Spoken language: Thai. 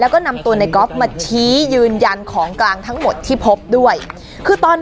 แล้วก็ไปซ่อนไว้ในโครงเหล็กในคานหลังคาของโรงรถอีกทีนึง